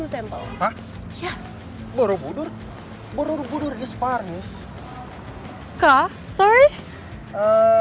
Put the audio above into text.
oh berhasil terima kasih